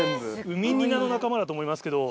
ウミニナの仲間だと思いますけど。